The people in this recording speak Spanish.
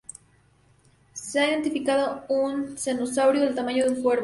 Se ha identificado un pterosaurio del tamaño de un cuervo.